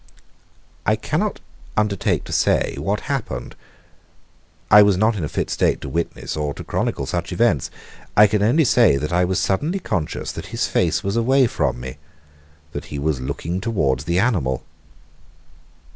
I cannot undertake to say what happened. I was not in a fit state to witness or to chronicle such events. I can only say that I was suddenly conscious that his face was away from me that he was looking towards the animal.